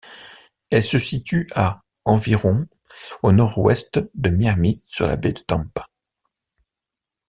Elle se situe à environ au nord-ouest de Miami sur la baie de Tampa.